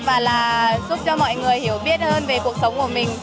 và là giúp cho mọi người hiểu biết hơn về cuộc sống của mình